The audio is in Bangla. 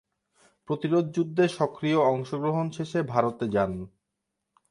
প্রতিরোধযুদ্ধে সক্রিয় অংশগ্রহণ শেষে ভারতে যান।